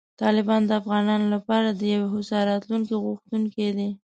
طالبان د افغانانو لپاره د یوې هوسا راتلونکې غوښتونکي دي.